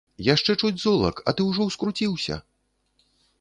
Яшчэ чуць золак, а ты ўжо ўскруцiўся?